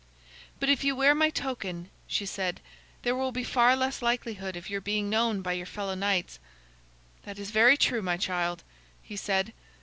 "But if you wear my token," she said, "there will be far less likelihood of your being known by your fellow knights." "That is very true, my child," he said.